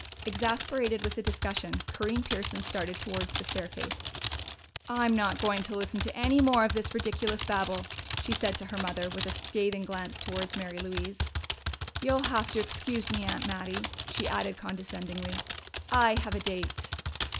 Exasperated with the discussion, Corinne Pearson started towards the stairway. "I'm not going to listen to any more of this ridiculous babble!" she said to her mother, with a scathing glance towards Mary Louise. "You'll have to excuse me, Aunt Mattie," she added condescendingly. "I have a date."